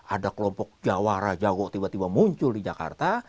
ada kelompok jawara jago tiba tiba muncul di jakarta